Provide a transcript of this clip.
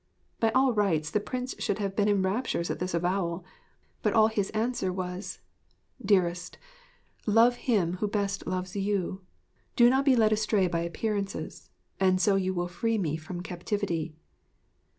By all rights the Prince should have been in raptures at this avowal; but all his answer was: 'Dearest, love him who best loves you. Do not be led astray by appearances, and so you will free me from captivity.